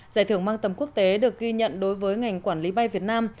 giải thưởng mang tầm quốc tế được ghi nhận đối với ngành quản lý bay việt nam